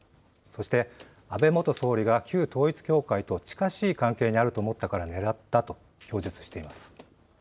そして安倍元総理が旧統一教会と近しい関係にあると思ったから狙ったと供述しています。